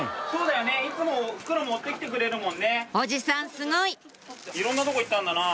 すごいいろんなとこ行ったんだなぁ。